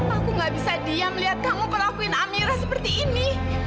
aku gak bisa diam lihat kamu ngelakuin amira seperti ini